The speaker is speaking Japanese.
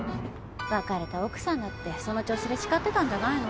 別れた奥さんだってその調子で叱ってたんじゃないの？